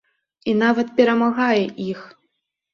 І нават перамагае іх!